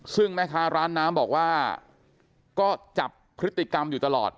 ซึ่งแม่ค้าร้านน้ำบอกว่าก็จับพฤติกรรมอยู่ตลอด